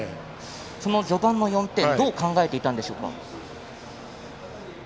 その序盤の４点どう考えていたんでしょうか。